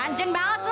ranjen banget lu